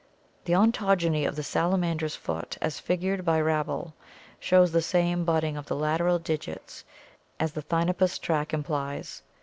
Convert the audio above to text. The ontogeny of the salamander's foot as figured by Rabl (Fig. 144) shows the same budding of the lateral digits as the Thinopus track implies.